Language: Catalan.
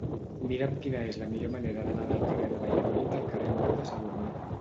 Mira'm quina és la millor manera d'anar del carrer de Valladolid al carrer Nou de Sadurní.